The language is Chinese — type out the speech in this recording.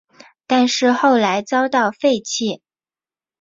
但是后来遭到废弃。